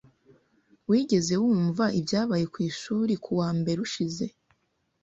Wigeze wumva ibyabaye ku ishuri kuwa mbere ushize?